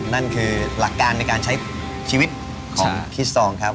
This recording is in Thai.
นั่นคือหลักการในการใช้ชีวิตของพี่ซองครับ